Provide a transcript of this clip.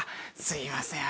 すいません。